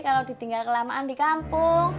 kalau ditinggal kelamaan di kampung